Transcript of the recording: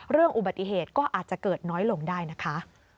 เรื่องอุบัติเหตุก็อาจจะเกิดน้อยลงได้นะคะ